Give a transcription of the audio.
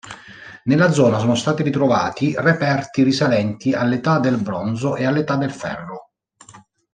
Nella zona sono stati ritrovati reperti risalenti all'età del bronzo e all'età del ferro.